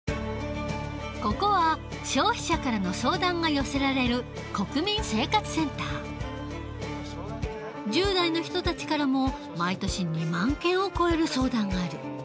ここは消費者からの相談が寄せられる１０代の人たちからも毎年２万件を超える相談がある。